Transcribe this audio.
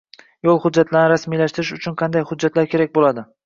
Yo‘l hujjatlarini rasmiylashtirish uchun qanday hujjatlar kerak bo‘ladi?